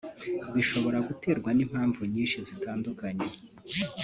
bishobora guterwa ni mpamvu nyinshi zitandukanye